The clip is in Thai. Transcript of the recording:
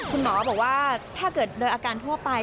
คุณหมอบอกว่าถ้าเกิดโดยอาการทั่วไป